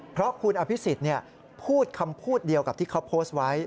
เพราะคุณอภิษฎพูดคำพูดเดียวกับที่เขาโพสต์ไว้